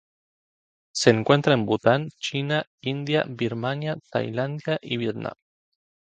Se encuentra en Bután, China, India, Birmania, Tailandia y Vietnam.